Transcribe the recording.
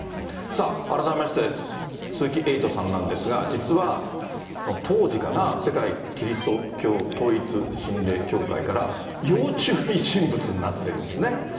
さあ、改めまして鈴木エイトさんなんですが、実は、当時かな、世界基督教統一神霊協会から要注意人物になってるんですね。